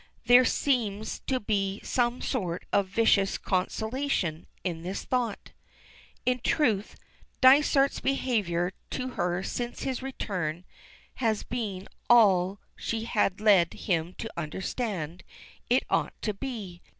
There seems to be some sort of vicious consolation in this thought. In truth, Dysart's behavior to her since his return has been all she had led him to understand it ought to be.